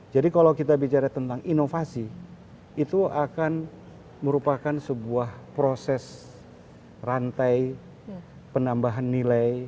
jadi kalau kita bicara tentang inovasi itu akan merupakan sebuah proses rantai penambahan nilai